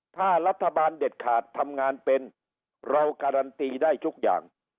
ถ้ารัฐบาลเด็ดขาดทำงานเป็นเราการันตีได้ทุกอย่าง